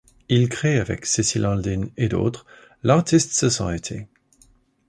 Il crée avec Cecil Aldin et d'autres l'Artist's Society.